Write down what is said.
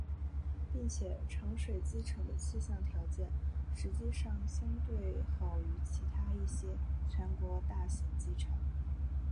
并且长水机场的气象条件实际上相对好于其他一些全国大型机场。